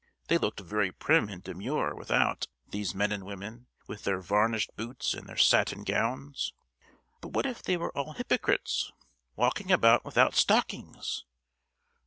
They looked very prim and demure without, these men and women, with their varnished boots and their satin gowns, but what if they were all hypocrites, walking about without stockings!